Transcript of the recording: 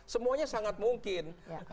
semuanya sangat mungkin